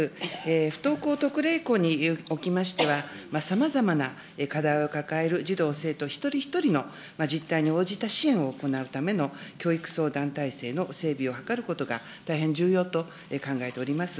不登校特例校におきましては、さまざまな課題を抱える児童・生徒一人一人の実態に応じた支援を行うための教育相談体制の整備を図ることが大変重要と考えております。